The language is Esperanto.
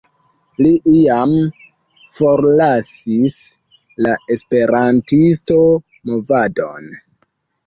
Li iam forlasis la esperantisto-movadon.